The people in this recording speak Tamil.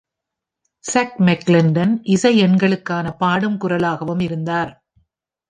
சக் மெக்லென்டன் இசை எண்களுக்கான பாடும் குரலாகவும் இருந்தார்.